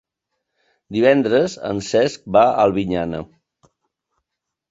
Divendres en Cesc va a Albinyana.